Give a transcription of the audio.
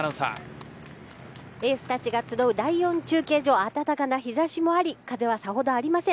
エースたちが集う第４中継所暖かな日差しもあり風は、さほどありません。